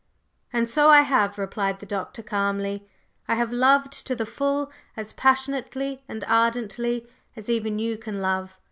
"And so I have," replied the Doctor, calmly. "I have loved to the full as passionately and ardently as even you can love.